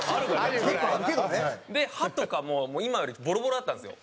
で歯とかも今よりボロボロだったんですよ。